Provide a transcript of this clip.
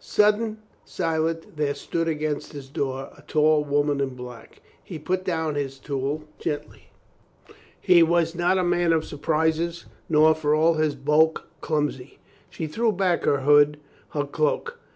Sudden, silent, there stood against his door a tall woman in black. He put down his tool gen tly. He was not a man of surprises, nor for all his bulk, clumsy. She threw back her hood, her cloak.